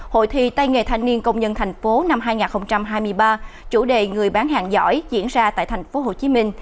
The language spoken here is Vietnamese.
hội thi tây nghề thanh niên công nhân tp năm hai nghìn hai mươi ba chủ đề người bán hàng giỏi diễn ra tại tp hcm